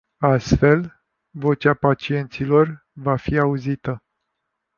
Astfel, "vocea pacienților” va fi auzită.